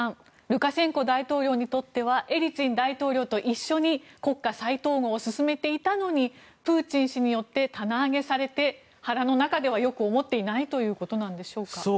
ルカシェンコ大統領にとってはエリツィン大統領と一緒に国家再統合を進めていたのにプーチン氏によって棚上げされて、腹の中ではよく思っていないということなのでしょうか。